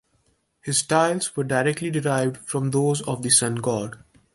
His titles were directly derived from those of the sun-god.